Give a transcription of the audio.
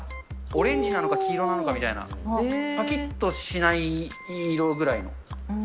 オレンジなのか、黄色なのかみたいな、ぱきっとしない色ぐらいの。